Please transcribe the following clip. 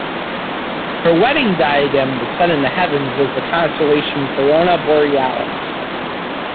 Her wedding diadem was set in the heavens as the constellation Corona Borealis.